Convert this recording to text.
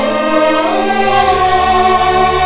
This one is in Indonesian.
serba menjaga kebijak arkanda